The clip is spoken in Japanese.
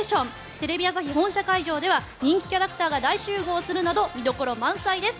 テレビ朝日本社会場では人気キャラクターが大集合するなど見どころ満載です。